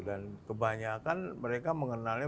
dan kebanyakan mereka mengenalnya